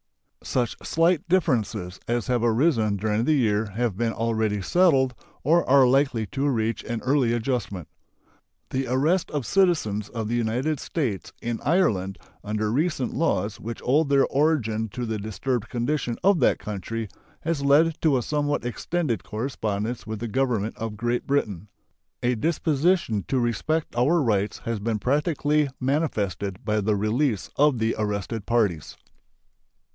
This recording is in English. Such slight differences as have arisen during the year have been already settled or are likely to reach an early adjustment. The arrest of citizens of the United States in Ireland under recent laws which owe their origin to the disturbed condition of that country has led to a somewhat extended correspondence with the Government of Great Britain. A disposition to respect our rights has been practically manifested by the release of the arrested parties.